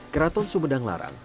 keraton sumedang larang